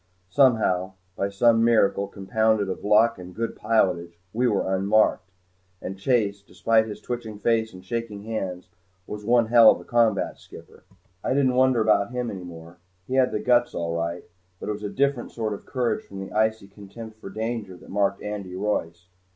Somehow, by some miracle compounded of luck and good pilotage, we were unmarked. And Chase, despite his twitching face and shaking hands, was one hell of a combat skipper! I didn't wonder about him any more. He had the guts all right. But it was a different sort of courage from the icy contempt for danger that marked Andy Royce.